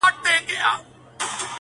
چي له وېري راوتای نه سي له کوره!